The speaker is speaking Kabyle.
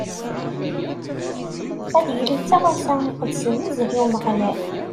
Ad yili d taɣawsa iqedsen nezzeh i Umeɣlal.